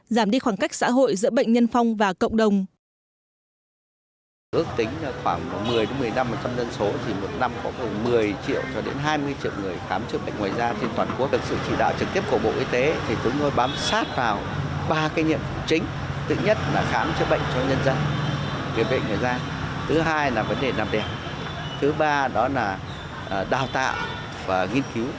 giảm đi khoảng cách xã hội giữa bệnh nhân phong và cộng đồng